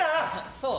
そう？